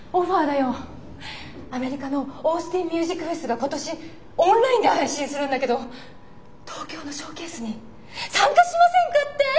アメリカのオースティンミュージックフェスが今年オンラインで配信するんだけど東京のショーケースに参加しませんかって！